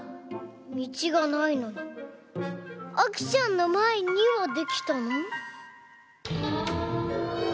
道がないのにあきちゃんの前「には」できたの？